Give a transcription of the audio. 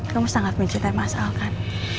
kamu sangat mencintai mas al kan